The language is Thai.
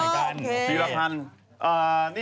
จากกระแสของละครกรุเปสันนิวาสนะฮะ